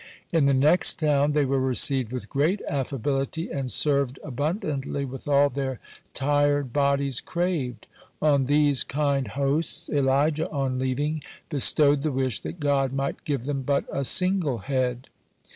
In the next town, they were received with great affability, and served abundantly with all their tired bodies craved. On these kind hosts Elijah, on leaving, bestowed the wish that God might give them but a single head.